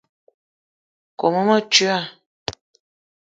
Kome metoua